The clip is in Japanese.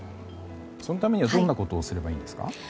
そのためにはどんなことをすればいいんですか。